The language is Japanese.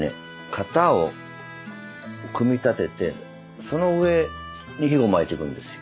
型を組み立ててその上に巻いてくんですよ。